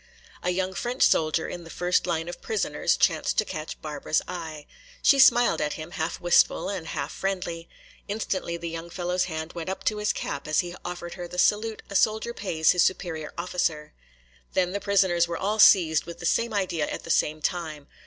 A young French soldier in the first line of prisoners chanced to catch Barbara's eye. She smiled at him, half wistful and half friendly. Instantly the young fellow's hand went up to his cap, as he offered her the salute a soldier pays his superior officer. Then the prisoners were all seized with the same idea at the same time.